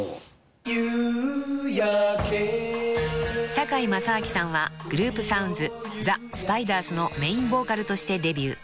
［堺正章さんはグループサウンズザ・スパイダースのメインボーカルとしてデビュー］